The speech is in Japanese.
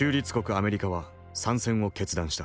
アメリカは参戦を決断した。